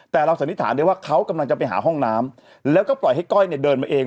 แต่เราสันนิษฐานได้ว่าเขากำลังจะไปหาห้องน้ำแล้วก็ปล่อยให้ก้อยเนี่ยเดินมาเอง